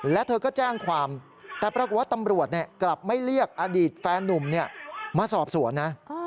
และเธอก็แจ้งความแต่ปรากฏว่าตำรวจกลับไม่เรียกอดีตแฟนนุ่มมาสอบสวนนะ